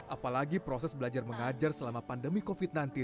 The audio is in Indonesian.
apalagi proses belajar mengajar selama pandemi covid sembilan belas